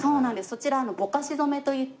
そちらぼかし染めといって